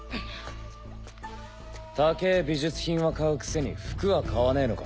たけぇ美術品は買うくせに服は買わねえのか？